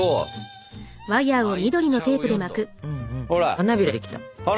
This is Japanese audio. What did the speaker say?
花びらできた！